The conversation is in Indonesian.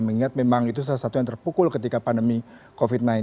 mengingat memang itu salah satu yang terpukul ketika pandemi covid sembilan belas